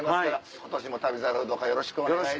今年も『旅猿』をどうかよろしくお願いします。